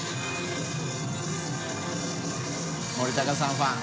森高さんファン。